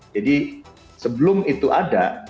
jadi sebelum itu ada